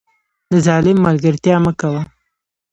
د ظالم ملګرتیا مه کوه